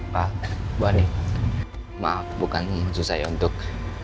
pak bimani maaf bukan susah ya untuk